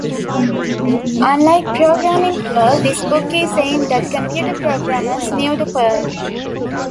Unlike "Programming Perl", this book is aimed at computer programmers new to Perl.